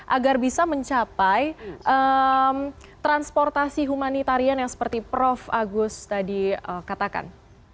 agar bisa mencapai transportasi humanitarian yang seperti prof agus tadi katakan